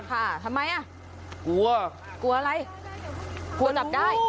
ทำไมอ่ะกลัวกลัวอะไรกลัวจับได้